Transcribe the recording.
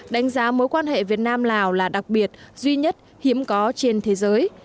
đánh giá mối quan hệ việt nam lào là đặc biệt duy nhất hiếm có trên thế giới